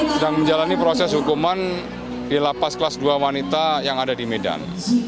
sedang menjalani proses hukuman di lapas kelas dua wanita yang ada di medan